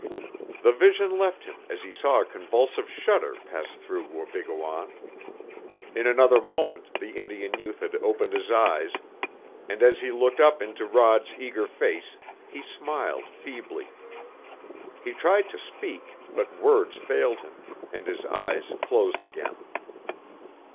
The vision left him as he saw a convulsive shudder pass through Wabigoon. In another moment the Indian youth had opened his eyes, and as he looked up into Rod's eager face he smiled feebly. He tried to speak, but words failed him, and his eyes closed again.